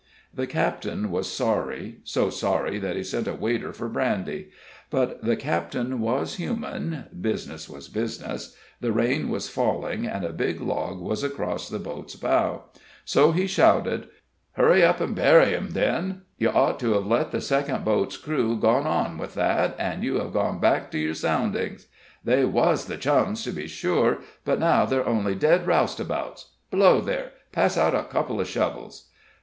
The captain was sorry, so sorry that he sent a waiter for brandy. But the captain was human business was business the rain was falling, and a big log was across the boat's bow; so he shouted: "Hurry up and bury 'em, then. You ought to have let the second boat's crew gone on with that, and you have gone back to your soundings. They was the Chums, to be sure, but now they're only dead roustabouts. Below there! Pass out a couple of shovels!"